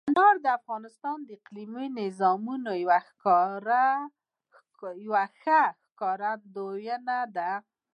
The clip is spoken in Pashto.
انار د افغانستان د اقلیمي نظام یوه ښه ښکارندوی ده.